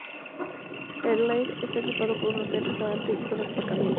El Glade está equipado con un hotel, restaurante y zonas de aparcamiento.